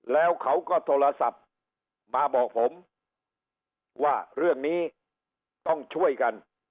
แล้วเขาก็โทรศัพท์มาบอกผมว่าเรื่องนี้ต้องช่วยกัน